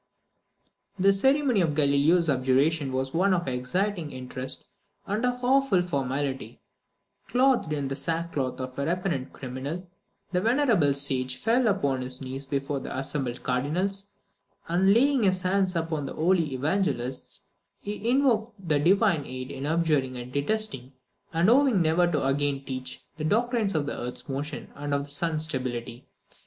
The ceremony of Galileo's abjuration was one of exciting interest, and of awful formality. Clothed in the sackcloth of a repentant criminal, the venerable sage fell upon his knees before the assembled Cardinals; and laying his hands upon the Holy Evangelists, he invoked the Divine aid in abjuring and detesting, and vowing never again to teach, the doctrine of the earth's motion, and of the sun's stability.